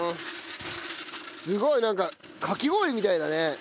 すごいなんかかき氷みたいだね。